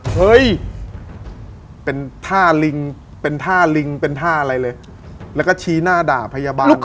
เฮ้ยเป็นท่าลิงเป็นท่าลิงเป็นท่าอะไรเลยแล้วก็ชี้หน้าด่าพยาบาล